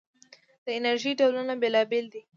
د انرژۍ ډولونه بېلابېل دي.